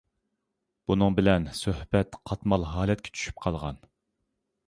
بۇنىڭ بىلەن سۆھبەت قاتمال ھالەتكە چۈشۈپ قالغان.